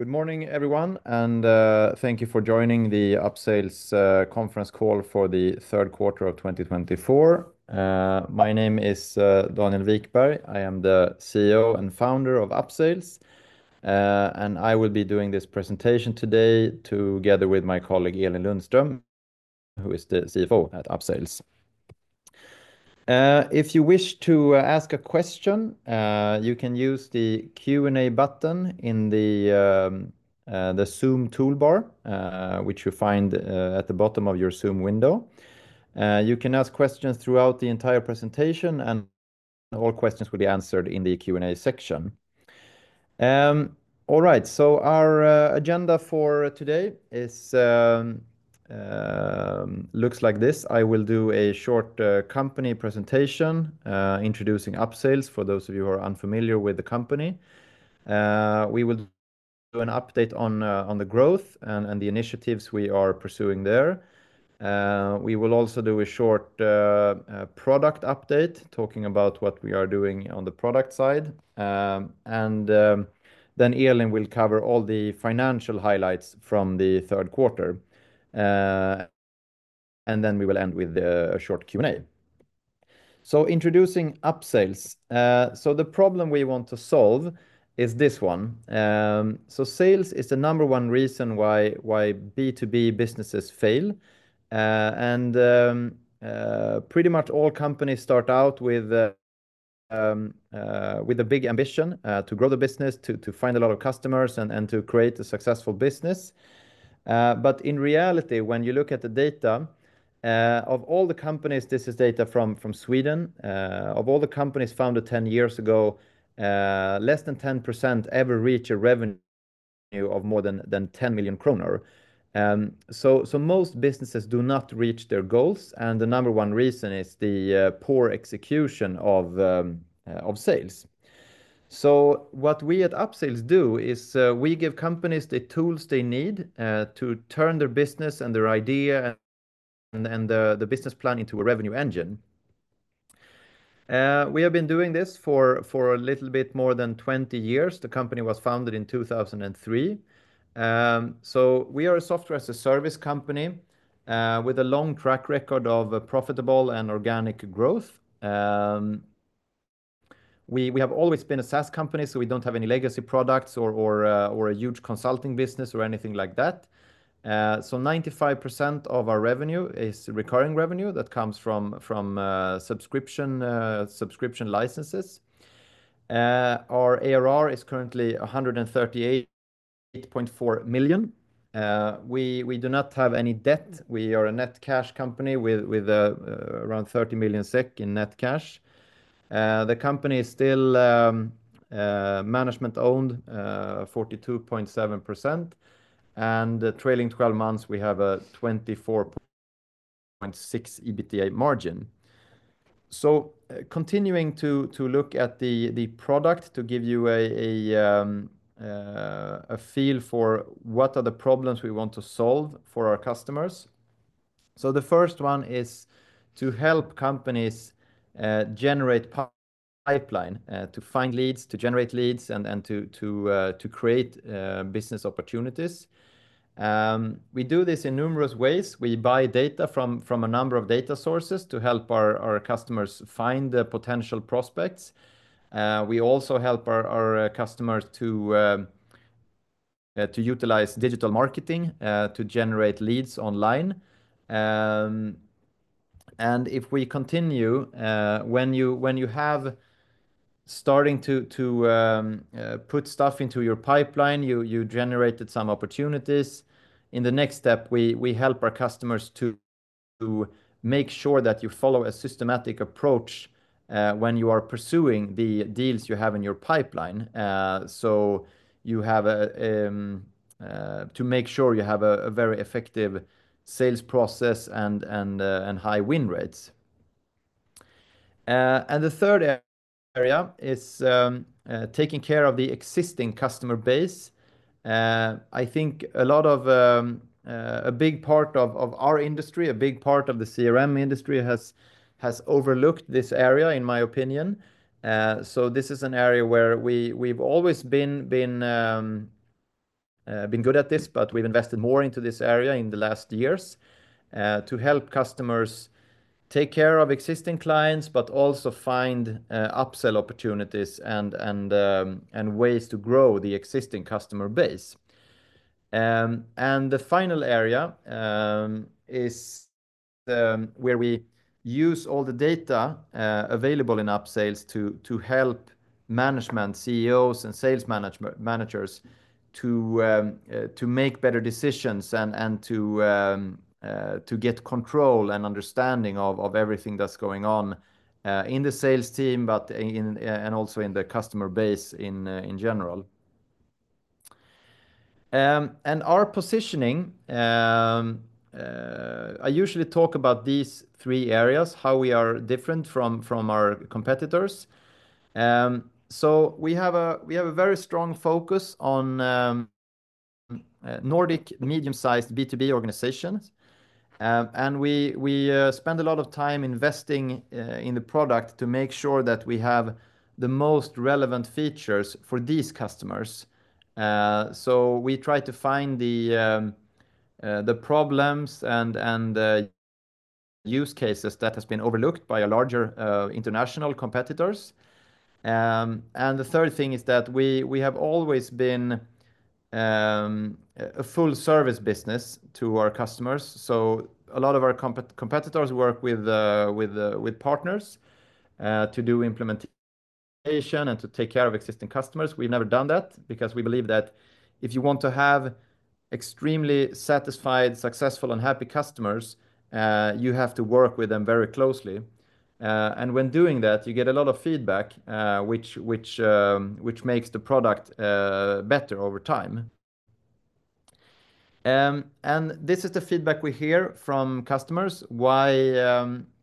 Good morning, everyone, and thank you for joining the Upsales conference call for the third quarter of twenty twenty-four. My name is Daniel Wikberg. I am the CEO and founder of Upsales, and I will be doing this presentation today together with my colleague, Elin Lundström, who is the CFO at Upsales. If you wish to ask a question, you can use the Q&A button in the Zoom toolbar, which you find at the bottom of your Zoom window. You can ask questions throughout the entire presentation, and all questions will be answered in the Q&A section. All right, so our agenda for today is looks like this. I will do a short company presentation introducing Upsales, for those of you who are unfamiliar with the company. We will do an update on the growth and the initiatives we are pursuing there. We will also do a short product update, talking about what we are doing on the product side, and then Elin will cover all the financial highlights from the third quarter, and then we will end with a short Q&A. So, introducing Upsales. So, the problem we want to solve is this one. So, sales is the number one reason why B2B businesses fail, and pretty much all companies start out with a big ambition to grow the business, to find a lot of customers, and to create a successful business. But in reality, when you look at the data of all the companies, this is data from Sweden. Of all the companies founded 10 years ago, less than 10% ever reach a revenue of more than 10 million kronor. So most businesses do not reach their goals, and the number one reason is the poor execution of sales. So what we at Upsales do is, we give companies the tools they need to turn their business and their idea and the business plan into a revenue engine. We have been doing this for a little bit more than 20 years. The company was founded in 2003. So we are a software as a service company with a long track record of profitable and organic growth. We have always been a SaaS company, so we don't have any legacy products or a huge consulting business or anything like that. 95% of our revenue is recurring revenue that comes from subscription licenses. Our ARR is currently 138.4 million SEK. We do not have any debt. We are a net cash company with around 30 million SEK in net cash. The company is still management-owned 42.7%, and the trailing twelve months, we have a 24.6% EBITDA margin. Continuing to look at the product to give you a feel for what are the problems we want to solve for our customers. So the first one is to help companies generate pipeline, to find leads, to generate leads, and to create business opportunities. We do this in numerous ways. We buy data from a number of data sources to help our customers find the potential prospects. We also help our customers to utilize digital marketing to generate leads online. And if we continue, when you have starting to put stuff into your pipeline, you generated some opportunities. In the next step, we help our customers to make sure that you follow a systematic approach when you are pursuing the deals you have in your pipeline. To make sure you have a very effective sales process and high win rates, and the third area is taking care of the existing customer base. I think a lot of a big part of our industry, a big part of the CRM industry has overlooked this area, in my opinion. So this is an area where we've always been good at this, but we've invested more into this area in the last years to help customers take care of existing clients, but also find upsell opportunities and ways to grow the existing customer base. And the final area is where we use all the data available in Upsales to help management, CEOs, and sales managers to make better decisions and to get control and understanding of everything that's going on in the sales team, but also in the customer base in general. And our positioning, I usually talk about these three areas, how we are different from our competitors. So we have a very strong focus on Nordic medium-sized B2B organizations. And we spend a lot of time investing in the product to make sure that we have the most relevant features for these customers. So we try to find the problems and use cases that has been overlooked by a larger international competitors. And the third thing is that we have always been a full service business to our customers. So a lot of our competitors work with partners to do implementation and to take care of existing customers. We've never done that because we believe that if you want to have extremely satisfied, successful, and happy customers, you have to work with them very closely. And when doing that, you get a lot of feedback, which makes the product better over time. And this is the feedback we hear from customers, why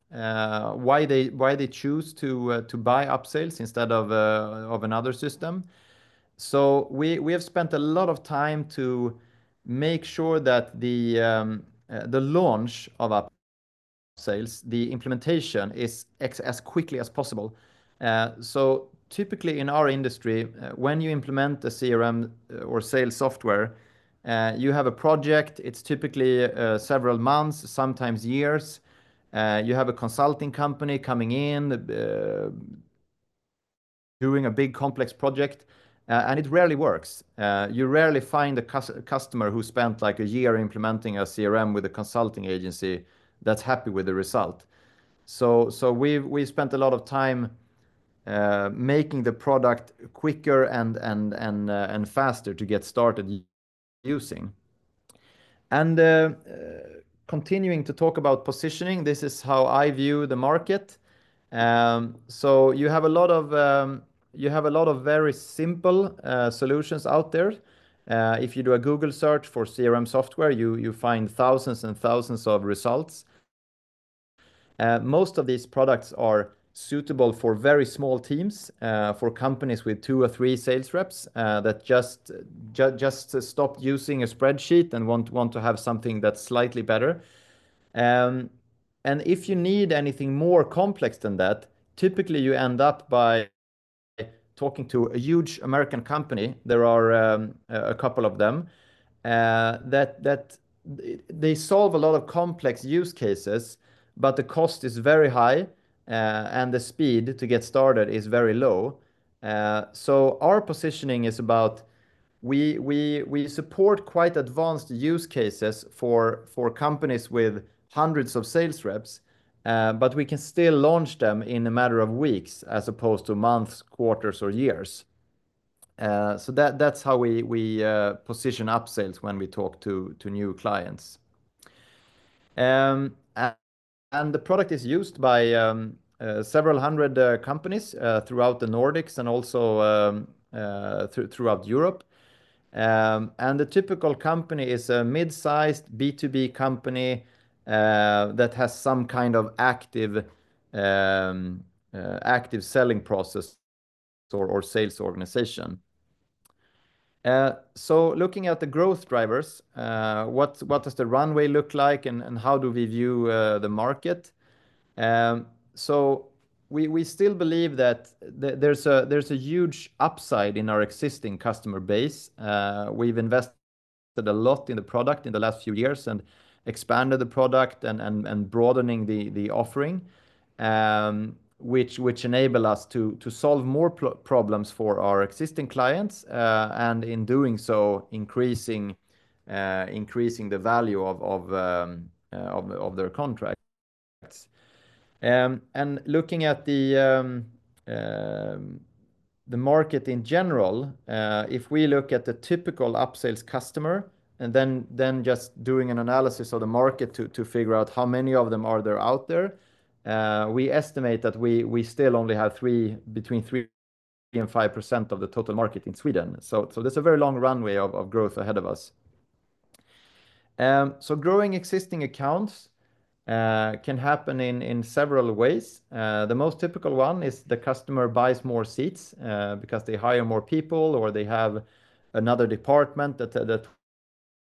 they choose to buy Upsales instead of another system. So we have spent a lot of time to make sure that the launch of Upsales, the implementation is as quickly as possible. So typically in our industry, when you implement a CRM or sales software, you have a project, it's typically several months, sometimes years. You have a consulting company coming in, doing a big, complex project, and it rarely works. You rarely find a customer who spent, like, a year implementing a CRM with a consulting agency that's happy with the result. So we've spent a lot of time making the product quicker and faster to get started using. And continuing to talk about positioning, this is how I view the market. So you have a lot of very simple solutions out there. If you do a Google search for CRM software, you find thousands and thousands of results. Most of these products are suitable for very small teams for companies with two or three sales reps that just stopped using a spreadsheet and want to have something that's slightly better. And if you need anything more complex than that, typically you end up by talking to a huge American company. There are a couple of them that... They solve a lot of complex use cases, but the cost is very high, and the speed to get started is very low. So our positioning is about we support quite advanced use cases for companies with hundreds of sales reps, but we can still launch them in a matter of weeks, as opposed to months, quarters, or years. So that's how we position Upsales when we talk to new clients. And the product is used by several hundred companies throughout the Nordics and also throughout Europe. And the typical company is a mid-sized B2B company that has some kind of active selling process or sales organization. Looking at the growth drivers, what does the runway look like, and how do we view the market? We still believe that there's a huge upside in our existing customer base. We've invested a lot in the product in the last few years, and expanded the product and broadening the offering, which enable us to solve more problems for our existing clients, and in doing so, increasing the value of their contract. And looking at the market in general, if we look at the typical Upsales customer, and then just doing an analysis of the market to figure out how many of them are there out there, we estimate that we still only have between 3% and 5% of the total market in Sweden. So there's a very long runway of growth ahead of us. Growing existing accounts can happen in several ways. The most typical one is the customer buys more seats because they hire more people, or they have another department that wants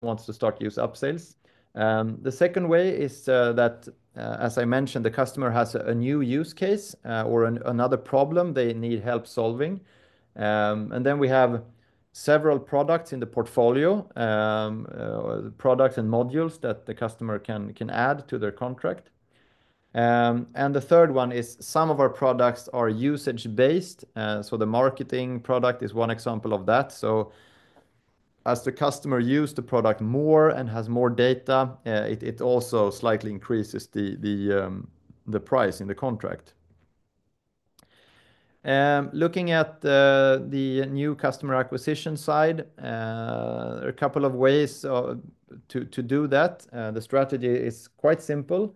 to start use Upsales. The second way is that, as I mentioned, the customer has a new use case or another problem they need help solving. And then we have several products in the portfolio, products and modules that the customer can add to their contract. And the third one is some of our products are usage based, so the marketing product is one example of that. So as the customer use the product more and has more data, it also slightly increases the price in the contract. Looking at the new customer acquisition side, there are a couple of ways to do that. The strategy is quite simple.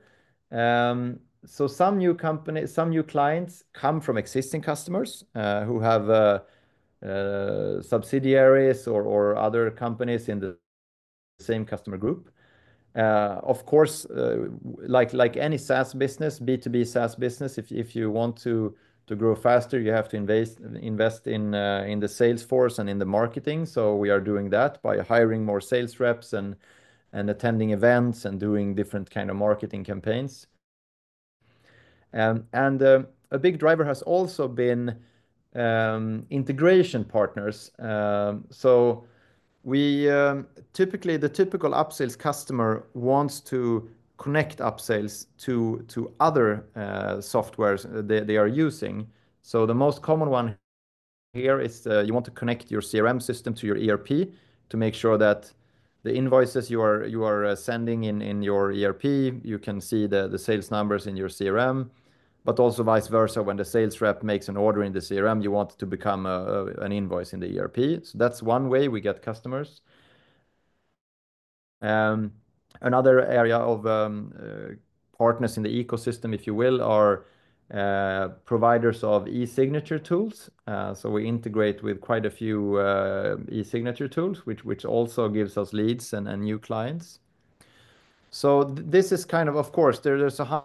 So some new clients come from existing customers who have subsidiaries or other companies in the same customer group. Of course, like any SaaS business, B2B SaaS business, if you want to grow faster, you have to invest in the sales force and in the marketing, so we are doing that by hiring more sales reps and attending events and doing different kind of marketing campaigns. And a big driver has also been integration partners. So we typically, the typical Upsales customer wants to connect Upsales to other softwares they are using. So the most common one here is, you want to connect your CRM system to your ERP to make sure that the invoices you are sending in your ERP, you can see the sales numbers in your CRM, but also vice versa, when the sales rep makes an order in the CRM, you want it to become an invoice in the ERP. So that's one way we get customers. Another area of partners in the ecosystem, if you will, are providers of e-signature tools. So we integrate with quite a few e-signature tools, which also gives us leads and new clients. So this is kind of... Of course, there's a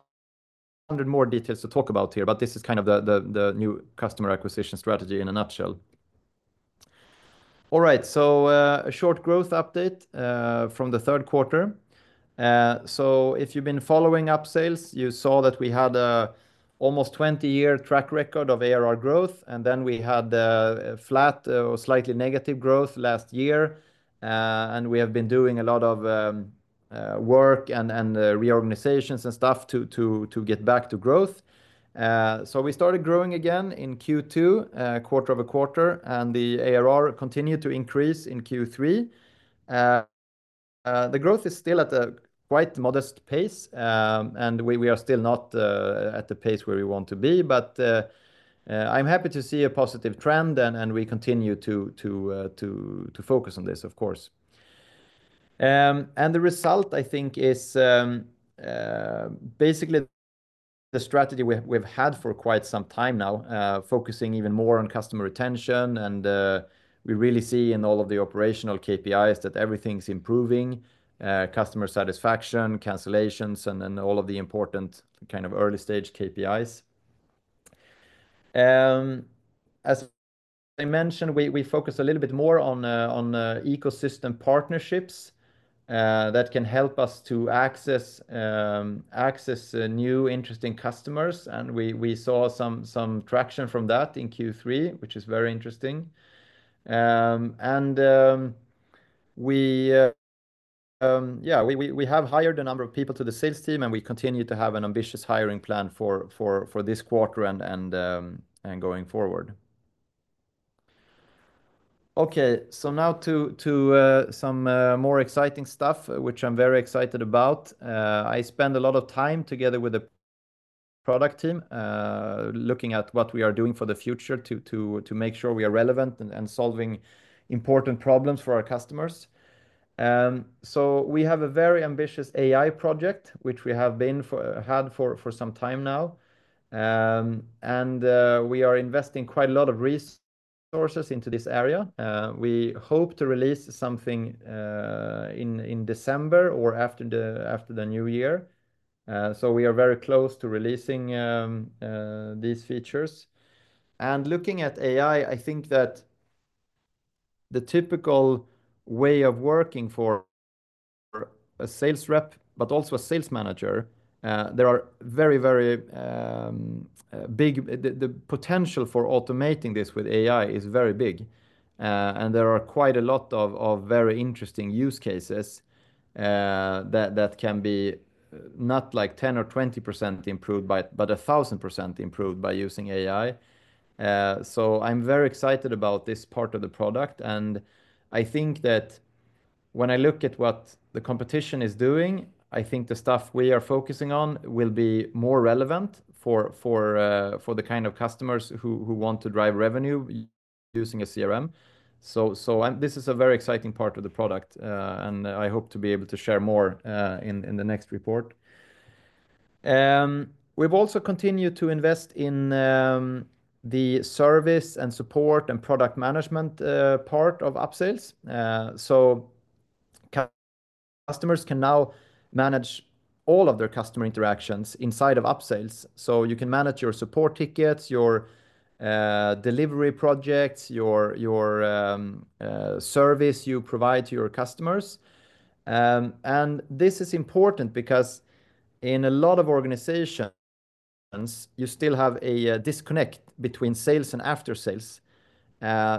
hundred more details to talk about here, but this is kind of the new customer acquisition strategy in a nutshell. All right, so a short growth update from the third quarter. So if you've been following Upsales, you saw that we had almost a 20-year track record of ARR growth, and then we had a flat or slightly negative growth last year. And we have been doing a lot of work and reorganizations and stuff to get back to growth. So we started growing again in Q2 quarter over quarter, and the ARR continued to increase in Q3. The growth is still at a quite modest pace, and we are still not at the pace where we want to be, but I'm happy to see a positive trend, and we continue to focus on this, of course, and the result, I think, is basically the strategy we've had for quite some time now, focusing even more on customer retention, and we really see in all of the operational KPIs that everything's improving, customer satisfaction, cancellations, and then all of the important kind of early-stage KPIs. As I mentioned, we focus a little bit more on ecosystem partnerships that can help us to access new interesting customers, and we saw some traction from that in Q3, which is very interesting. And we have hired a number of people to the sales team, and we continue to have an ambitious hiring plan for this quarter and going forward. Okay, so now to some more exciting stuff, which I'm very excited about. I spend a lot of time together with the product team looking at what we are doing for the future, to make sure we are relevant and solving important problems for our customers. So we have a very ambitious AI project, which we had for some time now. And we are investing quite a lot of resources into this area. We hope to release something in December or after the new year. So we are very close to releasing these features. Looking at AI, I think that the typical way of working for a sales rep, but also a sales manager, there is very big potential for automating this with AI, and there are quite a lot of very interesting use cases that can be not like 10% or 20% improved by, but 1000% improved by using AI. I'm very excited about this part of the product, and I think that when I look at what the competition is doing, I think the stuff we are focusing on will be more relevant for the kind of customers who want to drive revenue using a CRM, and this is a very exciting part of the product, and I hope to be able to share more in the next report. We've also continued to invest in the service and support and product management part of Upsales. Customers can now manage all of their customer interactions inside of Upsales, so you can manage your support tickets, your delivery projects, your service you provide to your customers. And this is important because in a lot of organizations, you still have a disconnect between sales and aftersales.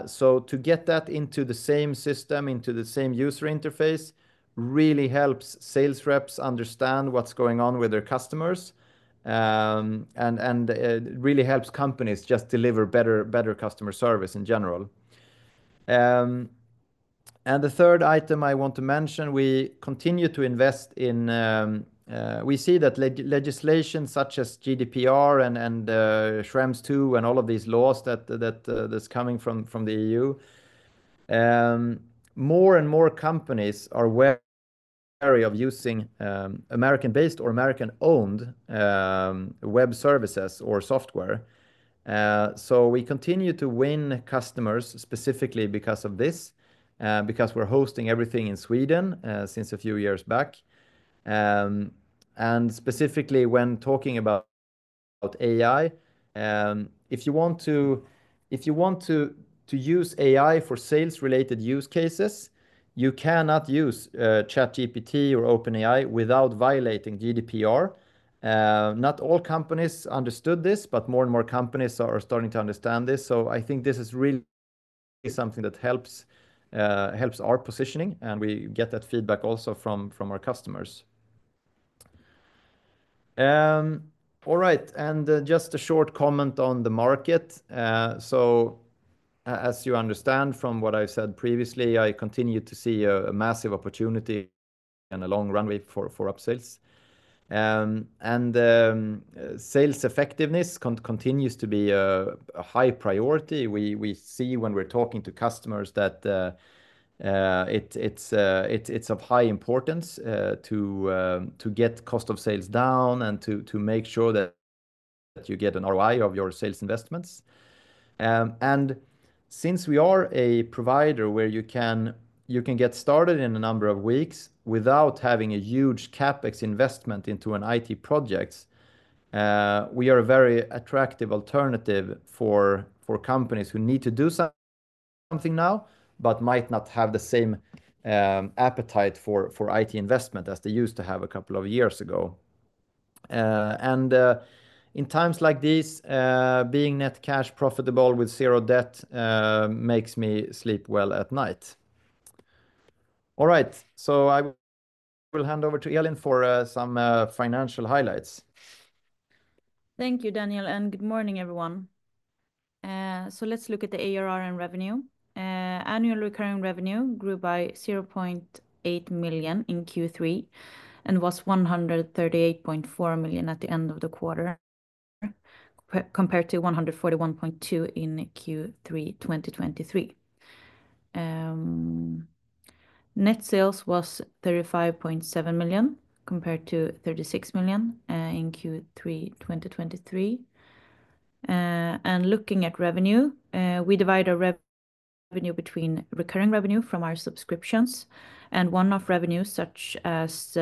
So to get that into the same system, into the same user interface, really helps sales reps understand what's going on with their customers, and it really helps companies just deliver better, better customer service in general. And the third item I want to mention, we continue to invest in. We see that legislation such as GDPR and Schrems II, and all of these laws that are coming from the EU, more and more companies are aware of using American-based or American-owned web services or software. So we continue to win customers specifically because of this, because we're hosting everything in Sweden since a few years back. And specifically when talking about AI, if you want to use AI for sales-related use cases, you cannot use ChatGPT or OpenAI without violating GDPR. Not all companies understood this, but more and more companies are starting to understand this. So I think this is really something that helps our positioning, and we get that feedback also from our customers. All right, and just a short comment on the market. So as you understand from what I said previously, I continue to see a massive opportunity and a long runway for Upsales. Sales effectiveness continues to be a high priority. We see when we're talking to customers that it's of high importance to get cost of sales down and to make sure that you get an ROI of your sales investments. And since we are a provider where you can get started in a number of weeks without having a huge CapEx investment into an IT projects, we are a very attractive alternative for companies who need to do something now, but might not have the same appetite for IT investment as they used to have a couple of years ago. And in times like these, being net cash profitable with zero debt makes me sleep well at night. All right, so I will hand over to Elin for some financial highlights. Thank you, Daniel, and good morning, everyone. So let's look at the ARR and revenue. Annual recurring revenue grew by 0.8 million in Q3 and was 138.4 million at the end of the quarter, compared to 141.2 million in Q3 2023. Net sales was 35.7 million, compared to 36 million in Q3 2023. And looking at revenue, we divide our revenue between recurring revenue from our subscriptions and one-off revenue, such as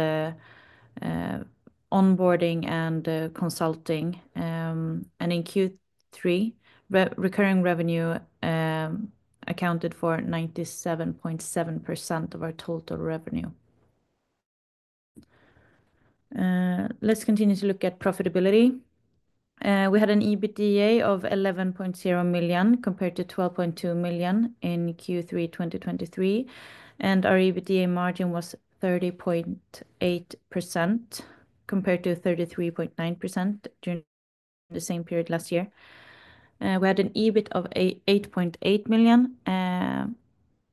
onboarding and consulting. And in Q3, recurring revenue accounted for 97.7% of our total revenue. Let's continue to look at profitability. We had an EBITDA of 11.0 million, compared to 12.2 million in Q3 2023, and our EBITDA margin was 30.8%, compared to 33.9% during the same period last year. We had an EBIT of 8.8 million,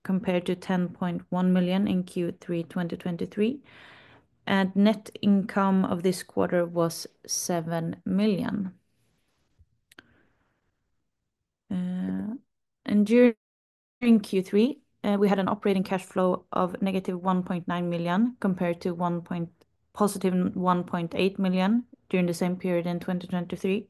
compared to 10.1 million in Q3 2023, and net income of this quarter was 7 million. During Q3, we had an operating cash flow of negative 1.9 million, compared to positive 1.8 million during the same period in 2023.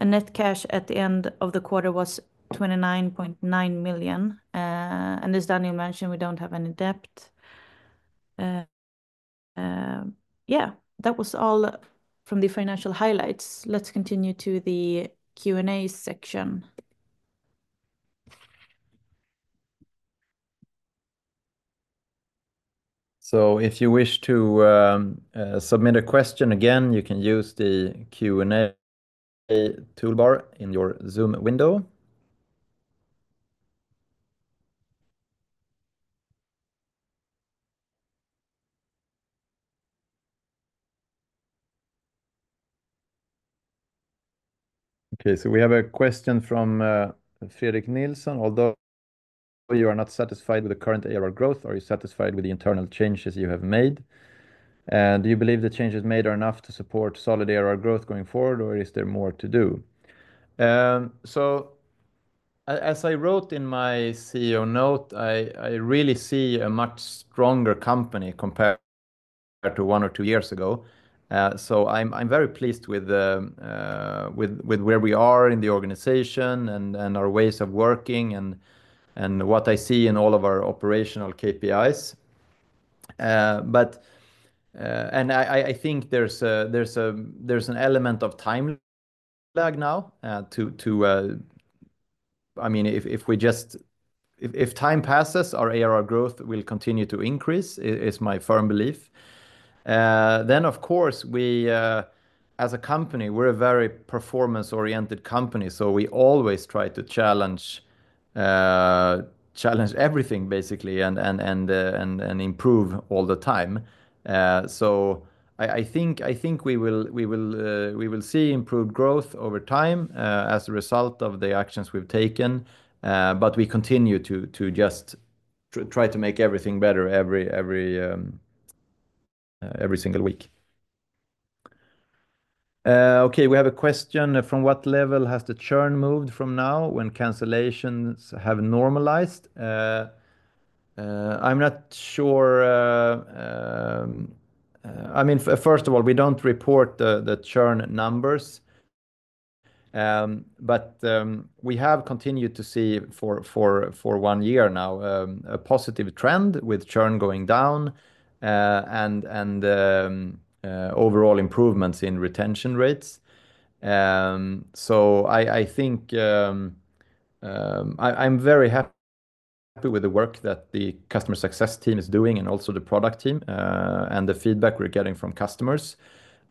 Net cash at the end of the quarter was 29.9 million. As Daniel mentioned, we don't have any debt. Yeah, that was all from the financial highlights. Let's continue to the Q&A section. So if you wish to submit a question, again, you can use the Q&A toolbar in your Zoom window. Okay, so we have a question from Fredrik Nilsson: "Although you are not satisfied with the current ARR growth, are you satisfied with the internal changes you have made? And do you believe the changes made are enough to support solid ARR growth going forward, or is there more to do?" So as I wrote in my CEO note, I really see a much stronger company compared to one or two years ago. So I'm very pleased with where we are in the organization and our ways of working and what I see in all of our operational KPIs. I think there's an element of time lag now to. I mean, if time passes, our ARR growth will continue to increase, is my firm belief, then of course, we as a company, we're a very performance-oriented company, so we always try to challenge everything, basically, and improve all the time, so I think we will see improved growth over time as a result of the actions we've taken, but we continue to just try to make everything better every single week. Okay, we have a question: "From what level has the churn moved from now when cancellations have normalized?" I'm not sure. I mean, first of all, we don't report the churn numbers. But we have continued to see for one year now a positive trend with churn going down and overall improvements in retention rates. So I think I'm very happy with the work that the customer success team is doing and also the product team and the feedback we're getting from customers.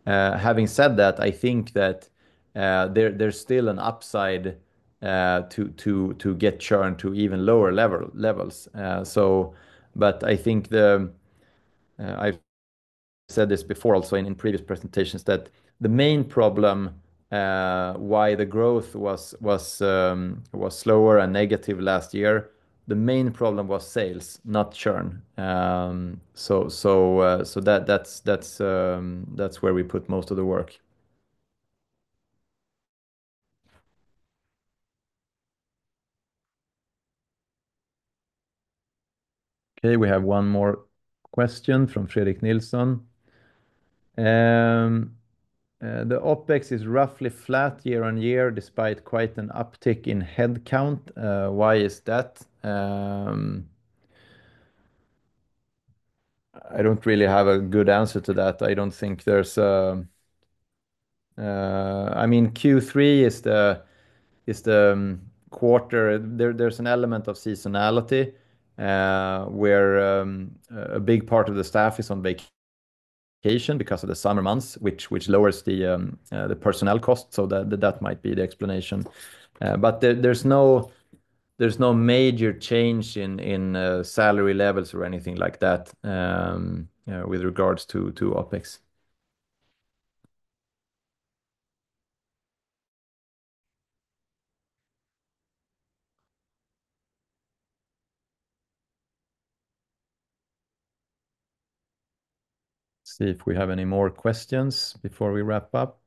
Having said that, I think that there's still an upside to get churn to even lower levels. So but I think the... I've said this before also in previous presentations, that the main problem why the growth was slower and negative last year, the main problem was sales, not churn. So that's where we put most of the work. Okay, we have one more question from Fredrik Nilsson. "The OpEx is roughly flat year on year, despite quite an uptick in headcount. Why is that?" I don't really have a good answer to that. I don't think there's a... I mean, Q3 is the quarter, there's an element of seasonality, where a big part of the staff is on vacation because of the summer months, which lowers the personnel costs, so that might be the explanation. But there's no major change in salary levels or anything like that with regards to OpEx. Let's see if we have any more questions before we wrap up.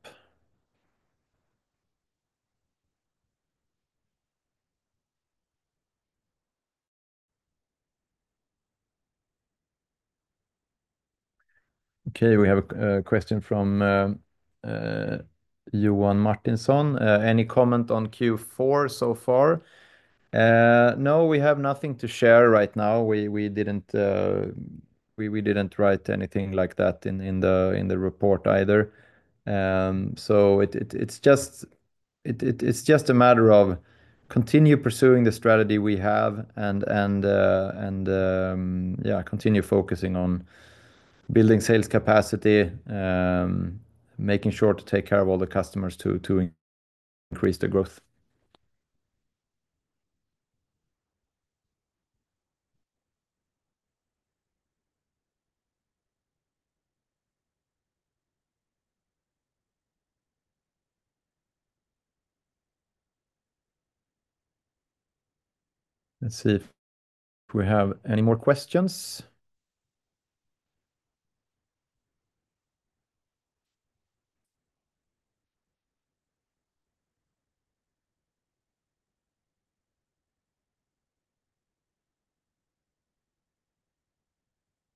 Okay, we have a question from Johan Martinsson: "Any comment on Q4 so far?" No, we have nothing to share right now. We didn't write anything like that in the report either. So it's just a matter of continue pursuing the strategy we have and yeah, continue focusing on building sales capacity, making sure to take care of all the customers to increase the growth. Let's see if we have any more questions.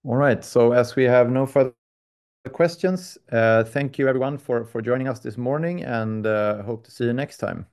All right, so as we have no further questions, thank you everyone for joining us this morning, and hope to see you next time.